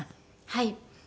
はい。